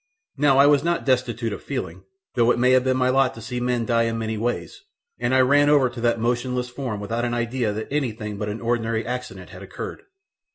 Now I was not destitute of feeling, though it had been my lot to see men die in many ways, and I ran over to that motionless form without an idea that anything but an ordinary accident had occurred.